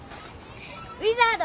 ウィザード。